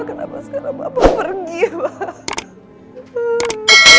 kenapa sekara bapak pergi bak